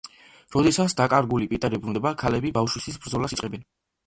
როდესაც დაკარგული პიტერი ბრუნდება, ქალები ბავშვისთვის ბრძოლას იწყებენ.